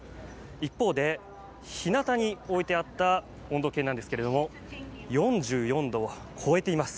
一方で、ひなたに置いてあった温度計なんですけれども、４４度を超えています。